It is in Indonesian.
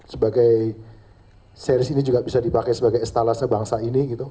sebagai series ini juga bisa dipakai sebagai estalase bangsa ini gitu